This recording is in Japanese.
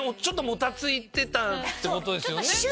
ちょっともたついてたってことですよね。